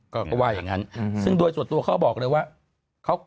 ก็ว่าอย่างนั้นซึ่งโดยส่วนตัวเขาบอกเลยว่า